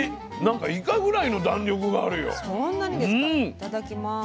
いただきます。